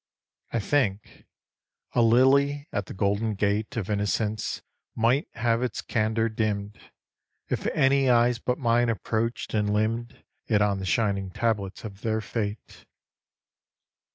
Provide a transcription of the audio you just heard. I think : a lily at the golden gate Of innocence might have its candour dimmed If any eyes but mine approached and limnod It on the shining tablets of their fate.